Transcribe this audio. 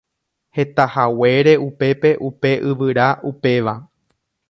Hetahaguére upépe upe yvyra upéva.